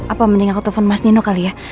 apa mending aku telfon mas nino kali ya